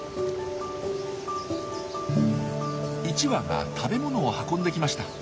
１羽が食べ物を運んできました。